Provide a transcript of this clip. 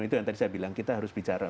itu yang tadi saya bilang kita harus bicara